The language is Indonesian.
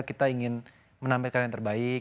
kita ingin menampilkan yang terbaik